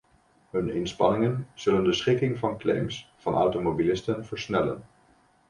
Hun inspanningen zullen de schikking van claims van automobilisten versnellen.